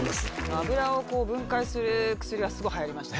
脂を分解する薬は流行りました。